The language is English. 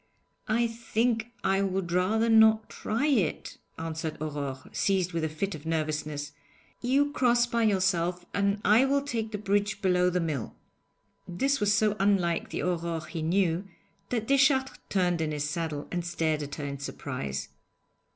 'I think I would rather not try it,' answered Aurore, seized with a fit of nervousness. 'You cross by yourself, and I will take the bridge below the mill.' This was so unlike the Aurore he knew that Deschartres turned in his saddle and stared at her in surprise.